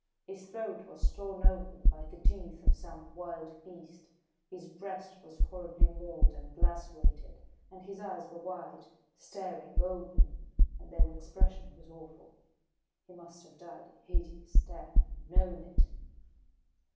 His throat was torn open by the teeth of some wild beast, his breast was horribly mauled and lacerated, and his eyes were wide, staring open, and their expression was awful. He must have died a hideous death and known it!"